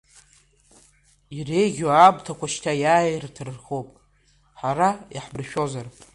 Иреиӷьу аамҭақәа шьҭа иааир рҭахуп, ҳара иаҳмыршәозар…